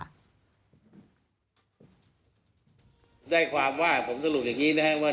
ได้ความว่าผมสรุปอย่างนี้นะครับว่า